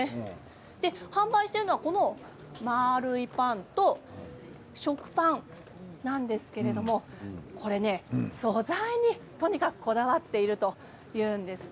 販売しているのはこの丸いパンと食パンなんですけどこちら素材にとにかくこだわっているというんです。